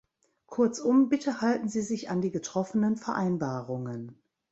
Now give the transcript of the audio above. Kurzum, bitte halten Sie sich an die getroffenen Vereinbarungen.